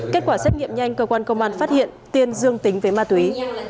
kết quả xét nghiệm nhanh cơ quan công an phát hiện tiên dương tính với ma túy